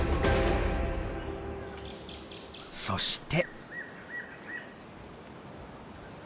そして。